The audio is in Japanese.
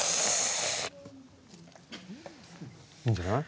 いいんじゃない？